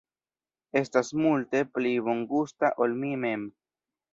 Estas multe pli bongusta ol mi mem